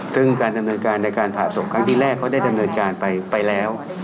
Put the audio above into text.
ซึ่งการดำเนินการในการผ่าศพครั้งที่แรกเขาได้ดำเนินการไปแล้ว